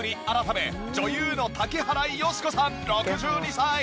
改め女優の竹原芳子さん６２歳。